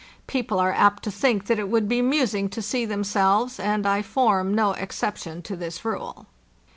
People are apt to think that it would be amusing to see themselves, and I form no exception to this rule.